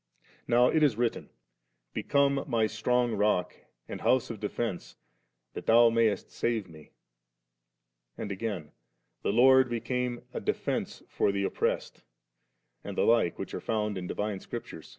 Now it is written, • Be come my strong rock and house of defence, that Thou mayest save me 3.' And again, *The Lord became a defence for the op pressed 4/ and the like which are found m divine Scripture.